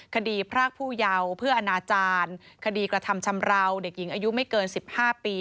คดีพรากผู้เยาว์เพื่ออนาจารย์คดีกระทำชำราวเด็กหญิงอายุไม่เกิน๑๕ปี